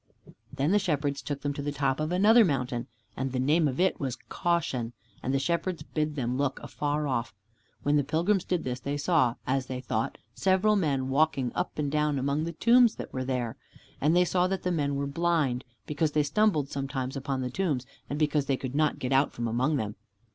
Then the Shepherds took them to the top of another mountain, and the name of it was Caution, and the Shepherds bid them look afar off. When the pilgrims did this, they saw, as they thought, several men walking up and down among the tombs that were there. And they saw that the men were blind, because they stumbled sometimes upon the tombs, and because they could not get out from among them.